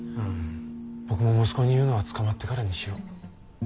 僕も息子に言うのは捕まってからにしよう。